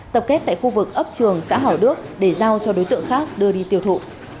tập kết tại khu vực ấp trường xã hảo đức để giao cho đối tượng khác đưa đi tiêu thụ